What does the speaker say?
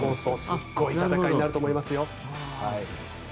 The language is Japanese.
すごい戦いになると思いますよ。